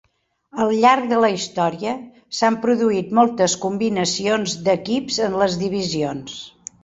Al llarg de la història s'han produït moltes combinacions d'equips en les divisions.